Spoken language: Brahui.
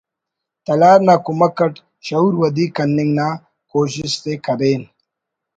”تلار“ نا کمک اٹ شعور ودی کننگ نا کوشست ءِ کرین